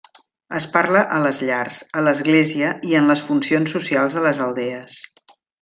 Es parla a les llars, a l'església i en les funcions socials de les aldees.